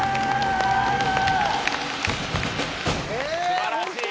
素晴らしい。